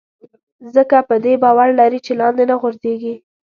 ځکه په دې باور لري چې لاندې نه غورځېږي.